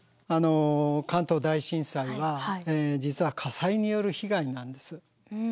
関東大震災は実は火災による被害なんです。